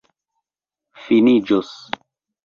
finiĝos